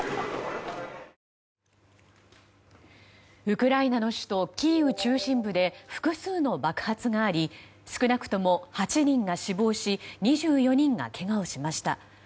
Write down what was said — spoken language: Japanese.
ウクライナの首都キーウ中心部で複数の爆発があり少なくとも８人が死亡し２４人がけがをしました。